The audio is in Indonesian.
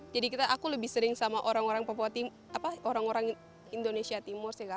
jadi aku lebih sering sama orang orang indonesia timur sih kak